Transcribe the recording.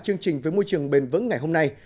chương trình với môi trường bền vững ngày hôm nay